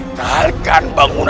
mindougan perbatas stayed